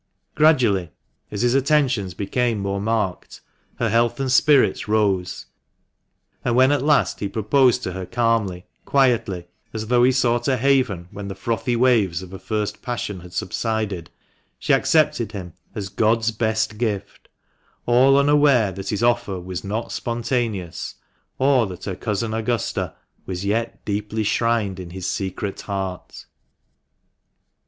Gradually, as his attentions became more marked, her health and spirits rose, and when at last he proposed to her calmly, quietly, as though he sought a haven when the frothy waves of a first passion had subsided, she accepted him as God's best gift, all unaware that his offer was not spontaneous, or that her cousin Augusta was yet deeply shrined in his secret heart.